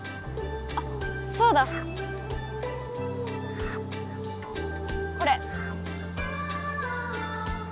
あそうだ。これ。